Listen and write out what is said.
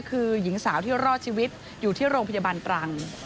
คือหญิงสาวที่รอดชีวิตอยู่ที่โรงพยาบาลตรัง